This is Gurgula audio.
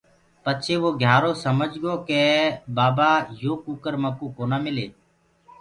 پڇي وو گھيارو سمج گو ڪي بآبآ يو ڪُڪَر مڪٚو ڪونآ مِلي۔